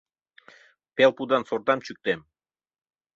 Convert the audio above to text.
Пел пудан сортам чӱктем.